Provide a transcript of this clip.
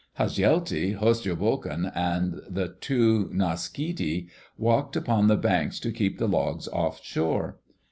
Hasjelti, Hostjoghon, and the two Naaskiddi walked upon the banks to keep the logs off shore.